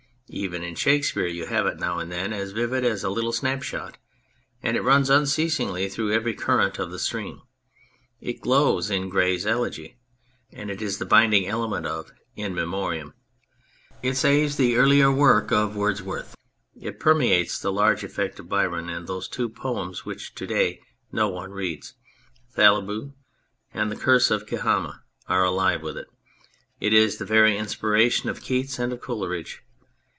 Even in Shakespeare you have it now and then as vivid as a little snapshot, and it runs unceasingly through every current of the stream ; it glows in Gray's Elegy, and it is the binding element of In Memoriam. It saves the earlier work of Wordsworth, it permeates the large effect of Byron, and those two poems, which to day no one reads, Thalaba and The Curse of Kehama, are alive with it. It is the very inspira tion of Keats and of Coleridge.